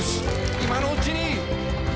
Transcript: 今のうちに」